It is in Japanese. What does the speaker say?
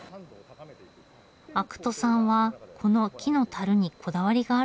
肥土さんはこの木の樽にこだわりがあるそうです。